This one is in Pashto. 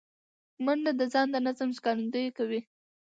منډه د ځان د نظم ښکارندویي کوي